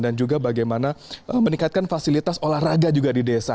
dan juga bagaimana meningkatkan fasilitas olahraga juga di desa